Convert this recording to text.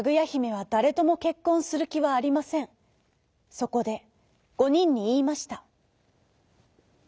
そこで５にんにいいました。